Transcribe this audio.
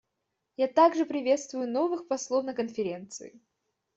Я также приветствую новых послов на Конференции.